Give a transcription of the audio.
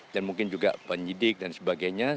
dan mungkin juga penyidik dan sebagainya